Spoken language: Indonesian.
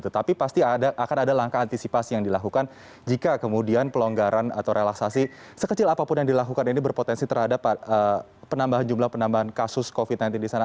tapi pasti akan ada langkah antisipasi yang dilakukan jika kemudian pelonggaran atau relaksasi sekecil apapun yang dilakukan ini berpotensi terhadap penambahan jumlah penambahan kasus covid sembilan belas di sana